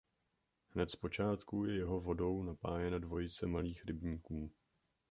Hned zpočátku je jeho vodou napájena dvojice malých rybníků.